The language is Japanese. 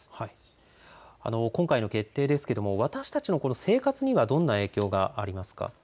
今回の決定ですけれども、私たちのこの生活には、どんな影響がありますか。